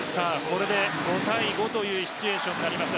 ５対５というシチュエーションになりました。